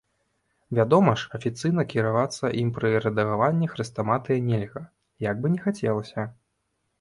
Вядома ж, афіцыйна кіравацца ім пры рэдагаванні хрэстаматый нельга, як бы ні хацелася.